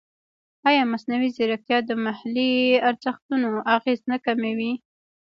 ایا مصنوعي ځیرکتیا د محلي ارزښتونو اغېز نه کموي؟